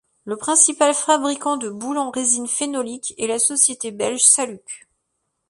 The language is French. Le principal fabricant de boules en résines phénoliques est la société belge Saluc.